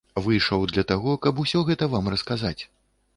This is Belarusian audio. Выйшаў для таго, каб усё гэта вам расказаць.